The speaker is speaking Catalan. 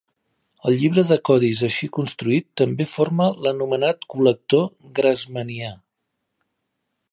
El llibre de codis així construït també forma l'anomenat col·lector grassmannià.